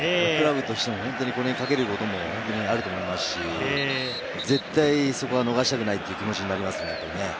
クラブとしてもこれにかけることもあると思いますし、絶対そこは逃したくないという気持ちになりますよね。